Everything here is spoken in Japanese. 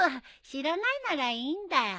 知らないならいいんだよ。